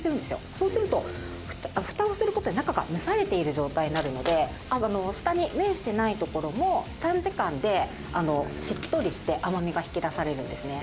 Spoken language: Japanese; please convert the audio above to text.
「そうするとふたをする事で中が蒸されている状態になるので下に面していないところも短時間でしっとりして甘みが引き出されるんですね」